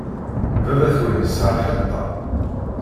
Baba-twen yesɛa lḥeṭṭa.